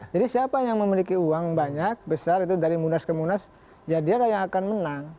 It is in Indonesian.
jadi siapa yang memiliki uang banyak besar itu dari munas ke munas ya dia yang akan menang